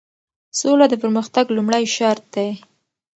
سوله د پرمختګ لومړی شرط دی.